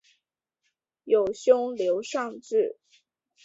有兄刘尚质。